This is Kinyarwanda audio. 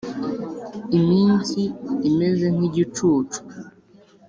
Iminsi imeze nk igicucu